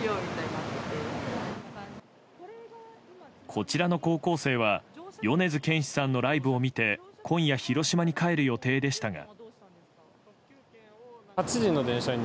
こちらの高校生は米津玄師さんのライブを見て今夜、広島に帰る予定でしたが。